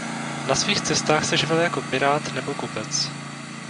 Na svých cestách se živil jako pirát nebo kupec.